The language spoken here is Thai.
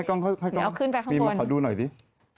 ขอดูหน่อยสิ